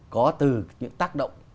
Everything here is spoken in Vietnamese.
có từ những tác động